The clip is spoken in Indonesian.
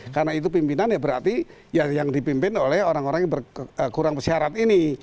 karena itu pimpinan ya berarti yang dipimpin oleh orang orang yang kurang persyarat ini